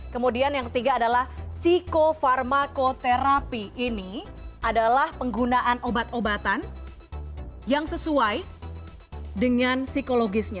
kemudian yang ketiga adalah psikofarmakoterapi ini adalah penggunaan obat obatan yang sesuai dengan psikologisnya